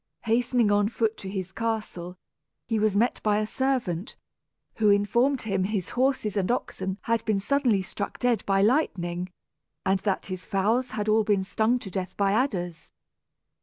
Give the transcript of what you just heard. Hastening on foot to his castle, he was met by a servant, who informed him his horses and oxen had been suddenly struck dead by lightning, and that his fowls had all been stung to death by adders.